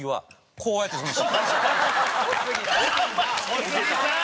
小杉さん！